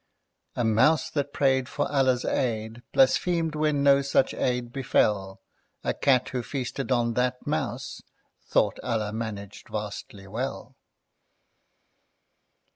"A Mouse that prayed for Allah's aid Blasphemed when no such aid befell: A Cat, who feasted on that mouse, Thought Allah managed vastly well.